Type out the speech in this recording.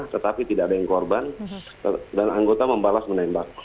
tetapi tidak ada yang korban dan anggota membalas menembak